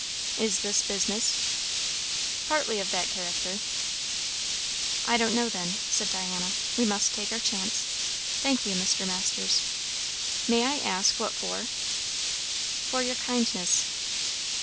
"Is this business?" "Partly of that character." "I don't know, then," said Diana. "We must take our chance. Thank you, Mr. Masters." "May I ask what for?" "For your kindness."